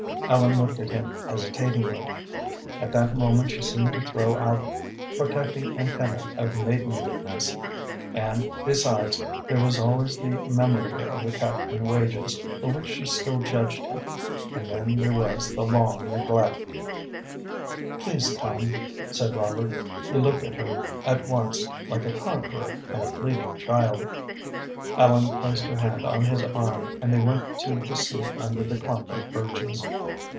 Ellen looked at him hesitatingly. At that moment she seemed to throw out protecting antennæ of maidenliness; and, besides, there was always the memory of the cut in wages, for which she still judged him; and then there was the long neglect. "Please come," said Robert. He looked at her at once like a conqueror and a pleading child. Ellen placed her hand on his arm, and they went to the seat under the clump of birches.